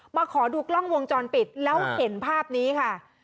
ขอดูกล้องวงจรปิดแล้วเห็นภาพนี้ค่ะ